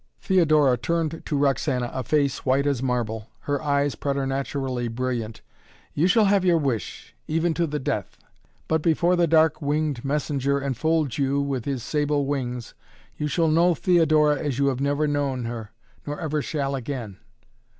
Theodora turned to Roxana a face, white as marble, her eyes preternaturally brilliant. "You shall have your wish even to the death. But before the dark winged messenger enfolds you with his sable wings you shall know Theodora as you have never known her nor ever shall again."